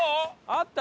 あった？